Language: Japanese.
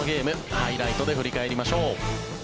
ハイライトで振り返りましょう。